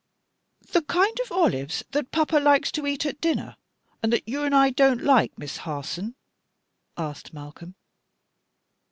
"The kind of olives that papa likes to eat at dinner, and that you and I don't like, Miss Harson?" asked Malcolm.